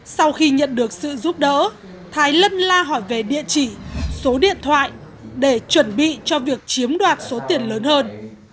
sau khi nhận được sự giúp đỡ thái lân la hỏi về địa chỉ số điện thoại để chuẩn bị cho việc chiếm đoạt số tiền lớn hơn